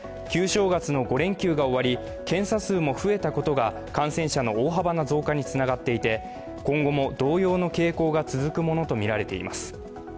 旧正月の５連休が終わり検査数も増えたことが感染者の大幅な増加につながっていて今後も同様の傾向が続くものとみられています。